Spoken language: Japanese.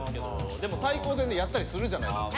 でも対抗戦でやったりするじゃないですか。